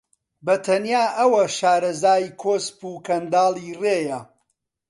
بە تەنیا ئەوە شارەزای کۆسپ و کەنداڵی ڕێیە